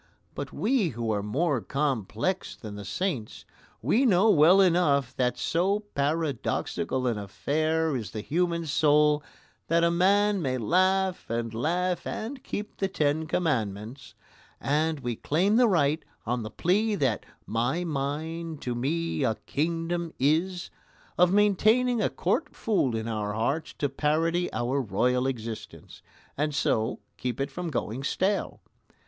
But we who are more complex than the saints we know well enough that so paradoxical an affair is the human soul that a man may laugh and laugh and keep the Ten Commandments; and we claim the right, on the plea that "my mind to me a kingdom is," of maintaining a court fool in our hearts to parody our royal existence, and so keep it from going stale.